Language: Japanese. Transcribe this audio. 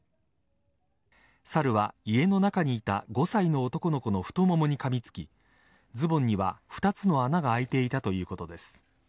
サルは家の中にいた５歳の男の子の太ももにかみつきズボンには２つの穴が開いていたということです。